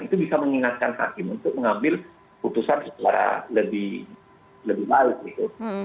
itu bisa mengingatkan hakim untuk mengambil putusan secara lebih baik gitu